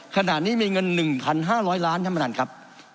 ขณะนี้มีเงิน๑๕๐๐ล้านท่านประธานครับ